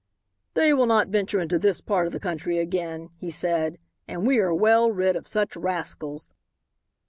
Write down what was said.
"They will not venture into this part of the country again," he said, "and we are well rid of such rascals."